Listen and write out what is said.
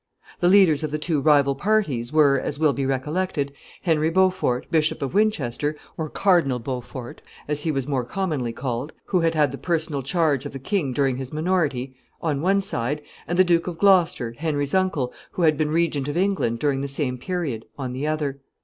The leaders of the two rival parties were, as will be recollected, Henry Beaufort, Bishop of Winchester, or Cardinal Beaufort, as he was more commonly called, who had had the personal charge of the king during his minority, on one side, and the Duke of Gloucester, Henry's uncle, who had been regent of England during the same period, on the other.